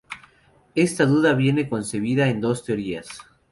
Ésta duda viene concebida en dos teorías.